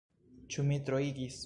Ĉu mi troigis?